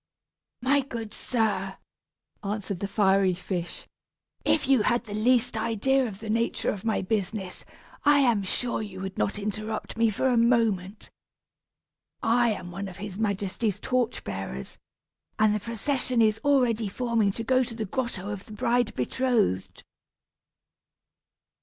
"My good sir," answered the fiery fish, "if you had the least idea of the nature of my business, I am sure you would not interrupt me for a moment. I am one of his majesty's torch bearers, and the procession is already forming to go to the grotto of the bride betrothed."